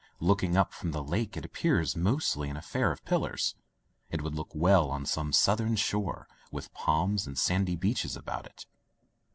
Looking up from the Lake, it appears mostly an affair of pillars. It would look well on some Southern shore, with palms and sandy beaches about it.